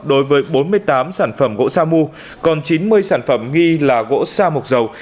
đối với bốn mươi tám sản phẩm gỗ sa mu còn chín mươi sản phẩm nghi là gỗ sa mộc dầu